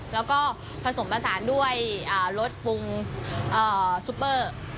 แล้วก็ผสมผสานด้วยรสปรุงซุปเปอร์